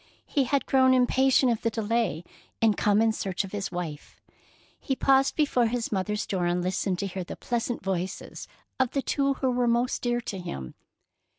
He had grown impatient of the delay, and come in search of his wife. He paused before his mother's door and listened to hear the pleasant voices of the two who were most dear to him.